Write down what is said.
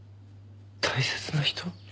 大切な人？